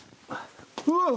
うわっ！